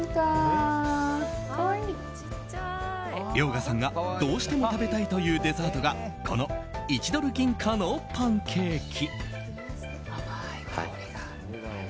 遼河さんがどうしても食べたいというデザートがこの１ドル銀貨のパンケーキ。